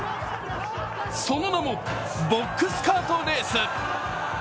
その名もボックスカートレース。